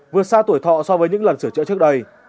vượt xa tuổi thọ so với những lần sửa chữa trước đây